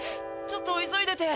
ちょっと急いでて。